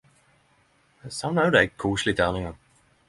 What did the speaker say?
Eg sakner også dei koselege terningane.